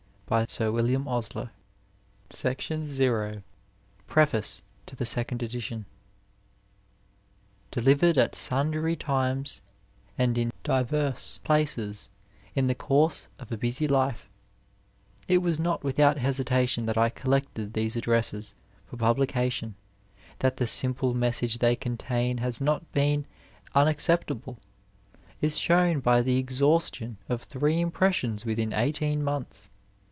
SEPTEMBER 10 Digitized by Google PREFACE TO THE SECOND EDITION DSLIYEBED ftt sundry times and in diveis jrfaces in the coniBe of a hvey life, it was not without hesita tioa that I collected these addiesses for publication. That the fliDiple message they contain has not been unacceptable is shown by the exhaustion ol three impressions within eighteen months.